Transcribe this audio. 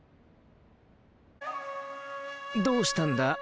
どうしたんだ？